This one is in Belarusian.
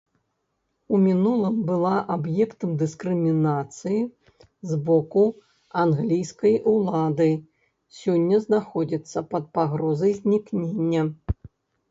У мінулым была аб'ектам дыскрымінацыі з боку англійскай улады, сёння знаходзіцца пад пагрознай знікнення.